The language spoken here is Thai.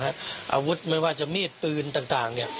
อาวุธฟื้นต่างห้าวุฒิอะหนึ่ง